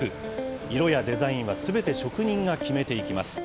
色やデザインはすべて職人が決めていきます。